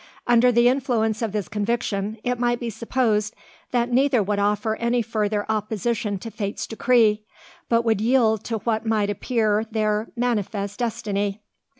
Under the influence of this conviction, it might be supposed that neither would offer any further opposition to Fate's decree, but would yield to what might appear their "manifest destiny."